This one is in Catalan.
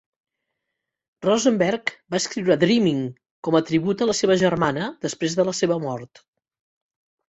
Rosenberg va escriure "Dreamin" com a tribut a la seva germana, després de la seva mort.